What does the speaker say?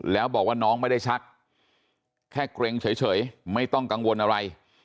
แล้วบอกว่าน้องไม่ได้ชักแค่เกร็งเฉยไม่ต้องกังวลอะไร